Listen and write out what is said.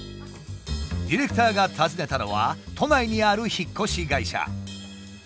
ディレクターが訪ねたのは都内にある引っ越し会社。